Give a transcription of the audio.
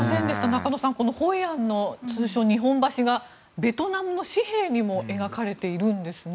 中野さんホイアンの通称・日本橋がベトナムの紙幣にも描かれているんですね。